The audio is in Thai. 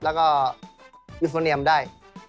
วิฆวเนียมได้